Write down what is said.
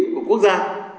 của quốc gia